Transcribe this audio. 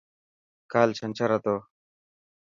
ڪال چنڇر هتو.